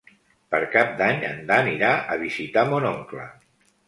Per Cap d'Any en Dan irà a visitar mon oncle.